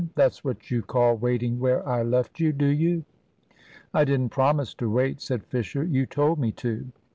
That's what you call waiting where I left you, do you?" "I didn't promise to wait," said Fisher. "You told me to."